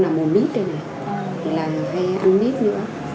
tầm mùa này đang là mùa mít hay ăn mít nữa